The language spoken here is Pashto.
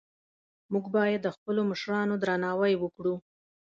موږ باید د خپلو مشرانو درناوی وکړو